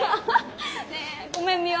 ねえごめんミワ。